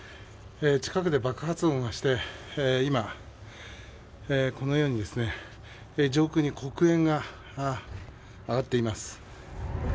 近くで爆発音がして今このように上空に黒煙が上がっています。